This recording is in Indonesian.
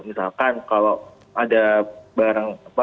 misalkan kalau ada barang apa